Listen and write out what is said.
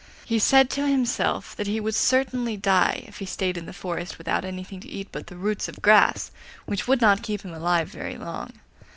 He said to himself that he would certainly die if he stayed in the forest without anything to eat but the roots of grass, which would not keep him alive very long.